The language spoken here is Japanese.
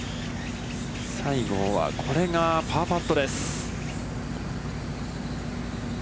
西郷は、これがパーパットです。